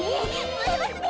もえますね！